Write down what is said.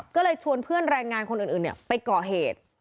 ก็เลยชวนเพื่อนแรงงานคนอื่นไปก่อเหตุ